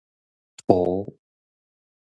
土